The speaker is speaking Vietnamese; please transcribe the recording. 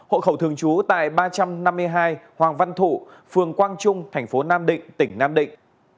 hộ khẩu thường chú tại ba trăm năm mươi hai hoàng văn thụ phường quang trung tp nam định tỉnh nam định